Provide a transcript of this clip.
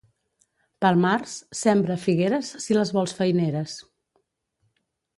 Pel març sembra figueres si les vols feineres.